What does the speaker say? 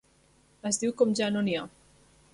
Es diu com ja no n'hi ha.